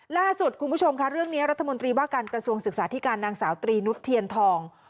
ล่าสุดคุณผู้ชมค่ะเรื่องนี้รัฐมนตรีว่าการกระทรวงศึกษาธิการนางสาวตรีนุษย์เทียนทอง